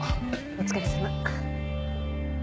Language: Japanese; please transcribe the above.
お疲れさま。